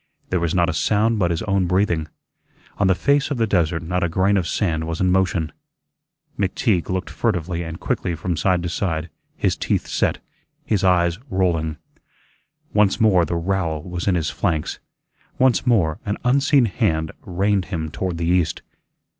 There was not a sound but his own breathing; on the face of the desert not a grain of sand was in motion. McTeague looked furtively and quickly from side to side, his teeth set, his eyes rolling. Once more the rowel was in his flanks, once more an unseen hand reined him toward the east.